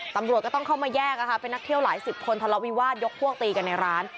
ตำรวจก็ต้องเข้ามาแยกเป็นนักเที่ยวหลายสิบคนทะเลาวิวาสยกพวกตีกันในร้าน